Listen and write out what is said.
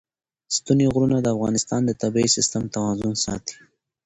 ستوني غرونه د افغانستان د طبعي سیسټم توازن ساتي.